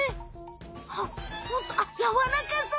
あっホントあっやわらかそう！